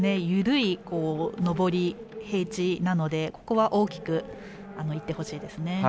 緩い上り、平地なのでここは大きくいってほしいですね。